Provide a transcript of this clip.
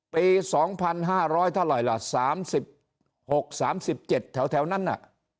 ปี๒๕๐๐เท่าไหร่ล่ะ๓๖๓๗แถวนั้นน่ะ